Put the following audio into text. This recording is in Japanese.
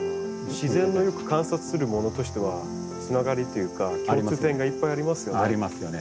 自然をよく観察する者としてはつながりというか共通点がいっぱいありますよね。ありますよね。